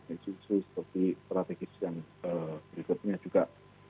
isu isu strategis yang berikutnya juga